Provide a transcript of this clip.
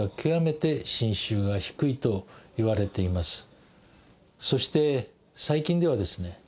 そしてそして最近ではですね